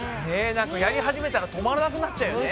やり始めたら止まらなくなっちゃうよね。